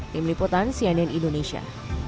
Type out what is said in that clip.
tim liputan cnn indonesia